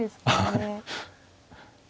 はい。